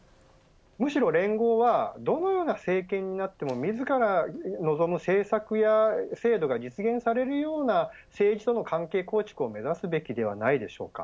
むしろ連合はどのような政権になっても自らが望む政策や制度が実現されるような政治との関係構築を目指すべきではないでしょうか。